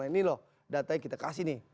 ini loh datanya kita kasih nih